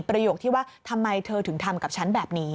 ประโยคที่ว่าทำไมเธอถึงทำกับฉันแบบนี้